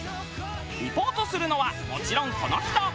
リポートするのはもちろんこの人。